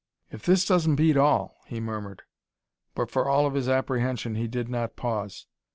"If this doesn't beat all," he murmured; but for all of his apprehension he did not pause.